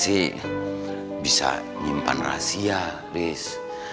ya saya sih bisa nyimpan rahasia riz